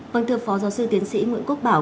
vâng thưa phó giáo sư tiến sĩ nguyễn quốc bảo